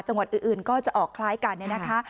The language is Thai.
จังหวัดอื่นก็จะออกคล้ายกันเนี่ยนะคะ